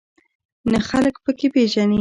نه خلک په کې پېژنې.